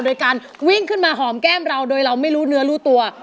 โดยการวิ่งขึ้นมาหอมแก้มเราโดยเราไม่รู้เนื้อรู้ตัว